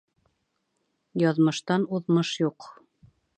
Яҙмыштан уҙмыш юҡ.